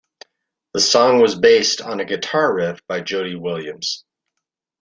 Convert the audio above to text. The song was based on a guitar riff by Jody Williams.